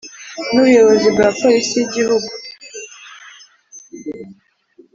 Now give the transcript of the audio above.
N’ubuyobozi bwa polisi y’igihugu